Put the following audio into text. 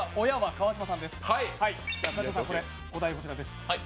川島さん、お題こちらです。